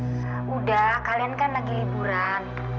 sudah kalian kan lagi liburan